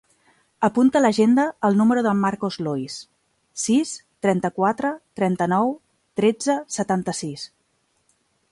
Apunta a l'agenda el número del Marcos Lois: sis, trenta-quatre, trenta-nou, tretze, setanta-sis.